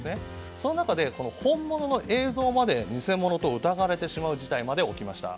その中で本物の映像まで偽物と疑われてしまう事態まで起きました。